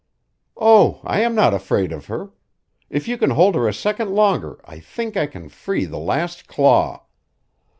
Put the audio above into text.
"Oh, I am not afraid of her. If you can hold her a second longer, I think I can free the last claw."